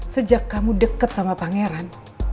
sejak kamu deket sama pangeran